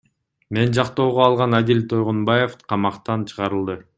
Мен жактоого алган Адил Тойгонбаев камактан чыгарылды.